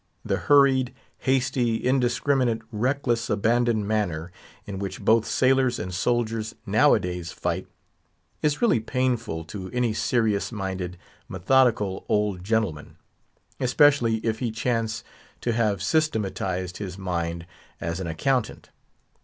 The hurried, hasty, indiscriminate, reckless, abandoned manner in which both sailors and soldiers nowadays fight is really painful to any serious minded, methodical old gentleman, especially if he chance to have systematized his mind as an accountant.